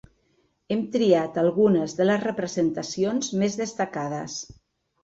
Hem triat algunes de les representacions més destacades.